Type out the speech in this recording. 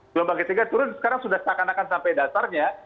gelombang ketiga turun sekarang sudah seakan akan sampai dasarnya